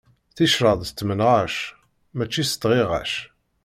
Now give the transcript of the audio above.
Ticraḍ s tmenɣac, mačči s tɣiɣac.